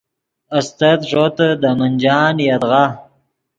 استت ݱوتے دے منجان یدغا